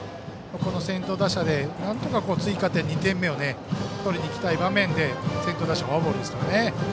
この先頭打者で、なんとか追加点２点目を取りにいきたい場面で先頭打者をフォアボールですから。